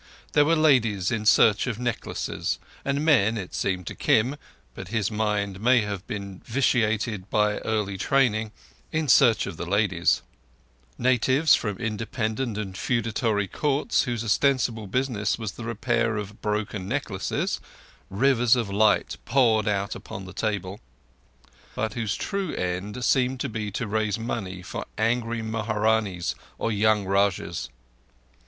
There were ladies in search of necklaces, and men, it seemed to Kim—but his mind may have been vitiated by early training—in search of the ladies; natives from independent and feudatory Courts whose ostensible business was the repair of broken necklaces—rivers of light poured out upon the table—but whose true end seemed to be to raise money for angry Maharanees or young Rajahs.